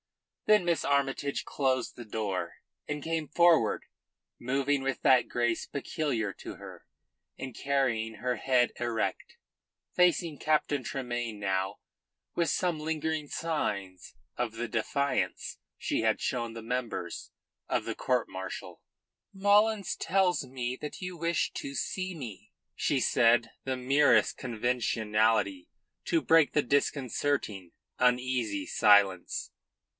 Then Miss Armytage closed the door and came forward, moving with that grace peculiar to her, and carrying her head erect, facing Captain Tremayne now with some lingering signs of the defiance she had shown the members of the court martial. "Mullins tells me that you wish to see me," she said the merest conventionality to break the disconcerting, uneasy silence.